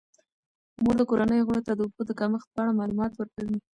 مور د کورنۍ غړو ته د اوبو د کمښت په اړه معلومات ورکوي.